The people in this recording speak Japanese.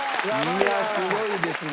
いやすごいですね。